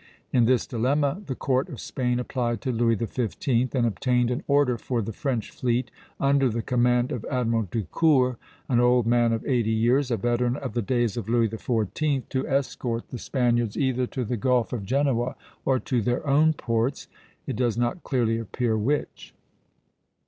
In this dilemma the court of Spain applied to Louis XV. and obtained an order for the French fleet, under the command of Admiral de Court, an old man of eighty years, a veteran of the days of Louis XIV., to escort the Spaniards either to the Gulf of Genoa or to their own ports, it does not clearly appear which.